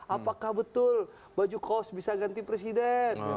apakah betul baju kos bisa ganti presiden